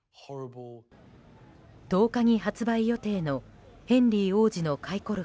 １０日に発売予定のヘンリー王子の回顧録